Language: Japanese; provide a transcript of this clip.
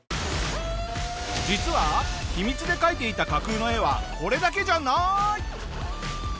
実は秘密で描いていた架空の絵はこれだけじゃない！